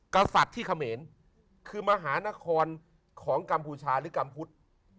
กษัตริย์ที่เขมรคือมหานครของกัมพูชาหรือกัมพุทธ